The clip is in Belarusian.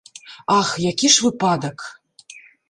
Ах, які ж выпадак!